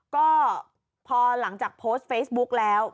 ก็พอหลังจากโพสต์เฟซบุ๊กแล้ว